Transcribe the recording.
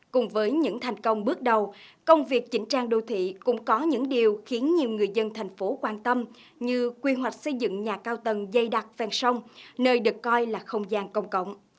cùng với những thành công bước đầu công việc chỉnh trang đô thị cũng có những điều khiến nhiều người dân thành phố quan tâm như quy hoạch xây dựng nhà cao tầng dây đặc phèn sông nơi được coi là không gian công cộng